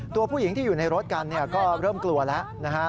ตัวผู้หญิงที่อยู่ในรถกันก็เริ่มกลัวแล้วนะฮะ